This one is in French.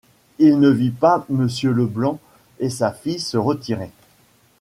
Il ne vit pas Monsieur Leblanc et sa fille se retirer.